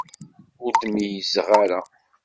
Ur d-meyyzeɣ ara.